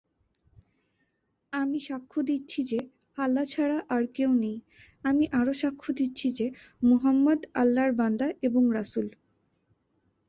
আমি সাক্ষ্য দিচ্ছি যে, আল্লাহ ছাড়া আর কেউ নেই, আমি আরও সাক্ষ্য দিচ্ছি যে, মুহাম্মাদ আল্লাহর বান্দা এবং রাসুল।